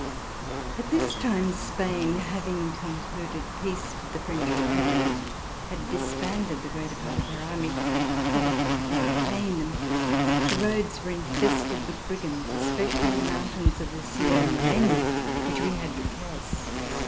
At this time Spain, having concluded peace with the French Republic, had disbanded the greater part of her army, probably without paying them. The roads were infested with brigands, especially the mountains of the Sierra Morena which we had to cross.